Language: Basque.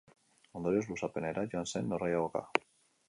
Ondorioz, luzapenera joan zen norgehiagoka.